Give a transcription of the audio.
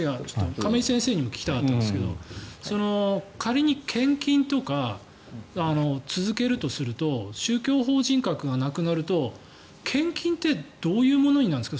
亀井先生にも聞きたかったんですけど仮に献金とか続けるとすると宗教法人格がなくなると献金ってどういうものになるんですか？